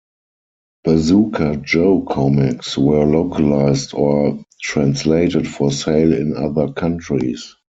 Bazooka Joe comics were localized or translated for sale in other countries.